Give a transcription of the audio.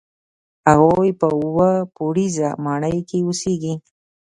هغوی په اووه پوړیزه ماڼۍ کې اوسېږي.